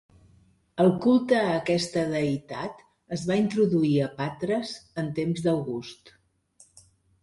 El culte a aquesta deïtat es va introduir a Patres en temps d'August.